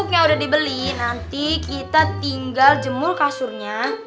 yang udah dibeli nanti kita tinggal jemur kasurnya